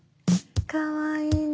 かわいいね。